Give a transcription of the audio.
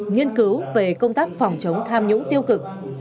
nghiên cứu về công tác phòng chống tham nhũng tiêu cực